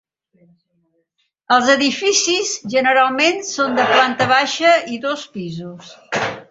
Els edificis, generalment, són de planta baixa i dos pisos.